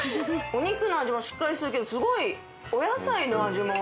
お肉の味もしっかりしてるけどお野菜の味も。